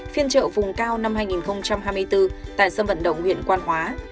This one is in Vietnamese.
phiên trợ vùng cao năm hai nghìn hai mươi bốn tại sân vận động huyện quan hóa